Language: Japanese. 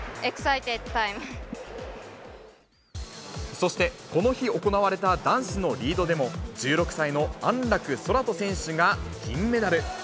そしてこの日行われた男子のリードでも、１６歳の安楽宙斗選手が銀メダル。